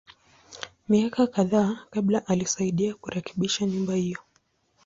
Miaka kadhaa kabla, alisaidia kurekebisha nyumba hiyo.